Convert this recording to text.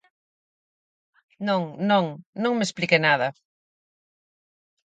Non, non, non me explique nada.